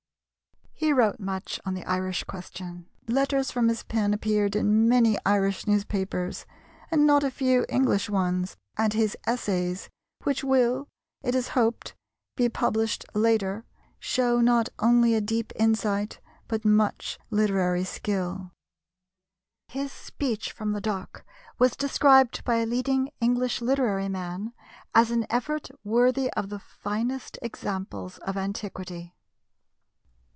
He wrote much on the Irish question. Letters from his pen appeared in many Irish newspapers, and not a few English ones, and his essays, which will, it is hoped, be published later, show not only a deep insight but much literary skill. His speech from the dock was described by a leading English literary man as an effort "worthy of the finest examples of antiquity."